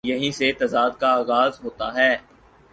یہیں سے تضاد کا آ غاز ہو تا ہے۔